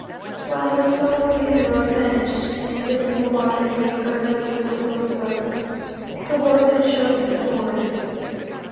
While he spoke even the road vanished, and invisible water came gurgling through the wheel spokes. The horse had chosen the ford.